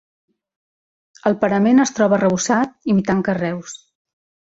El parament es troba arrebossat imitant carreus.